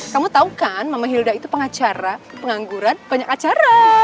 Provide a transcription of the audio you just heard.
kamu tau kan mama hilda itu pengacara pengangguran banyak acara